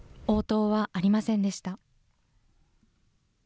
応答はありませんでした。